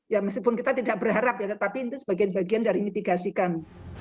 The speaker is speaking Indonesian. ya meskipun kita tidak berharap ya tetapi itu sebagian bagian dari mitigasi kami